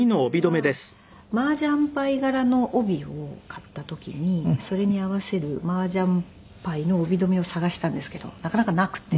これはマージャンパイ柄の帯を買った時にそれに合わせるマージャンパイの帯留めを探したんですけどなかなかなくて。